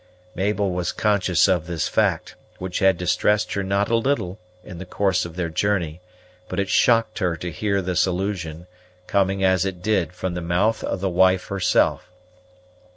Mabel was conscious of this fact, which had distressed her not a little, in the course of their journey; but it shocked her to hear this allusion, coming, as it did, from the mouth of the wife herself.